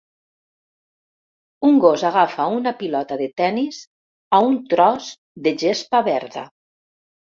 Un gos agafa una pilota de tennis a un tros de gespa verda.